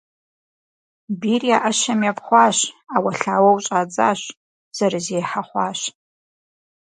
Бийр я Ӏэщэм епхъуащ Ӏэуэлъауэу щӀадзащ зэрызехьэ хъуащ.